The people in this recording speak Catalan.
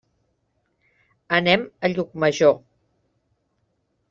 Anem a Llucmajor.